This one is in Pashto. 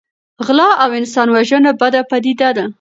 غلا او انسان وژنه بده پدیده ده.